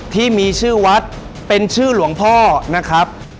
ที่มีชื่อวัดเป็นชื่อหลวงพ่อนะครับ